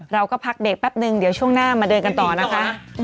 เราก็พักเด็กแป๊บนึงเดี๋ยวช่วงหน้ามาเดินกันต่อนะคะ